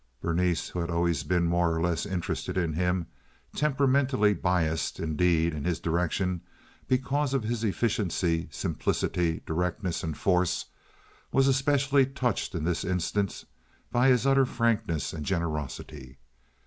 Berenice, who had always been more or less interested in him, temperamentally biased, indeed, in his direction because of his efficiency, simplicity, directness, and force, was especially touched in this instance by his utter frankness and generosity.